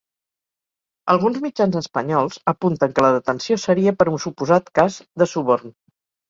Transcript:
Alguns mitjans espanyols apunten que la detenció seria per un suposat cas de suborn.